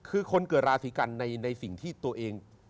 คือคนเกิดราศีกันในสิ่งที่ตัวเอง